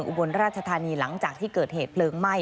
อุบลราชธานีหลังจากที่เกิดเหตุเพลิงไหม้